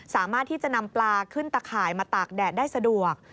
สามารถที่จะนำปลาขึ้นตะข่ายมาตากแดดได้สะดวก